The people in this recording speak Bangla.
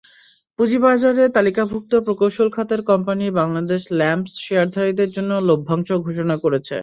পুঁজিবাজারে তালিকাভুক্ত প্রকৌশল খাতের কোম্পানি বাংলাদেশ ল্যাম্পস শেয়ারধারীদের জন্য লভ্যাংশ ঘোষণা করেছে।